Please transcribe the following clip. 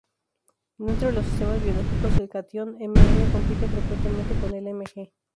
Dentro de los sistemas biológicos, el catión Mn compite frecuentemente con el Mg.